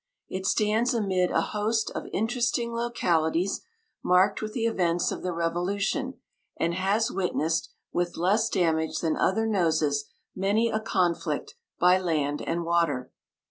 It stands amid a host of interesting localities, marked with the events of the Revolution, and has witnessed, with less damage than other noses, many a conflict by land and water.